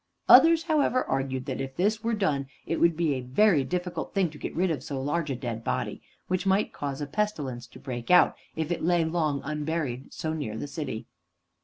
Others, however, argued that if this were done it would be a very difficult thing to get rid of so large a dead body, which might cause a pestilence to break out if it lay long unburied so near the city.